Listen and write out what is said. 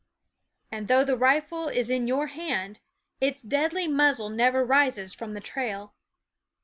And though the rifle is in your hand, its deadly muzzle never rises from the trail.